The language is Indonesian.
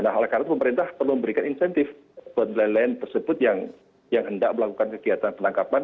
nah oleh karena itu pemerintah perlu memberikan insentif buat nelayan nelayan tersebut yang hendak melakukan kegiatan penangkapan